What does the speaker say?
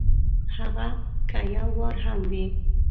هغه که یو وار هم وي !